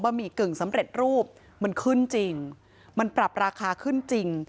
หมี่กึ่งสำเร็จรูปมันขึ้นจริงมันปรับราคาขึ้นจริง